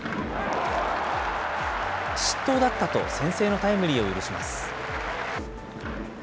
失投だったと先制のタイムリーを許します。